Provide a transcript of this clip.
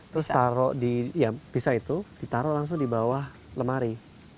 terus taruh di ya bisa itu ditaruh langsung di bawah lemari